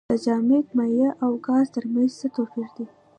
د جامد مایع او ګاز ترمنځ څه توپیر دی.